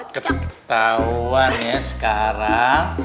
ketauan ya sekarang